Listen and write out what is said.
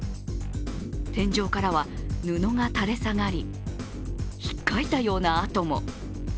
天井からは布が垂れ下がり、ひっかいたような跡も。